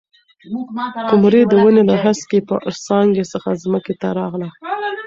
قمري د ونې له هسکې څانګې څخه ځمکې ته راغله.